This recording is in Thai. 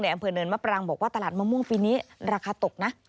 อำเภอเนินมะปรางบอกว่าตลาดมะม่วงปีนี้ราคาตกนะ